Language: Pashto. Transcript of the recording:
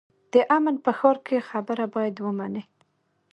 د امن په ښار کې خبره باید ومنې.